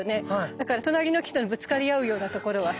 だから隣の木とぶつかり合うような所はさ